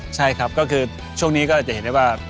ช่วงนี้ก็จะเห็นได้ว่า